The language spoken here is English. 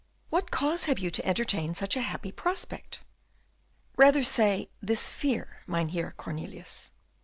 "What cause have you to entertain such a happy prospect?" "Rather say, this fear, Mynheer Cornelius."